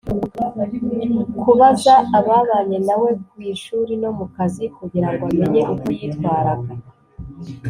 kubaza ababanye na we ku ishuri no mu kazi kugira ngo amenye uko yitwaraga